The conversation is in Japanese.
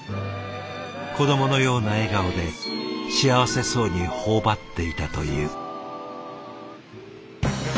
子どものような笑顔で幸せそうに頬張っていたという。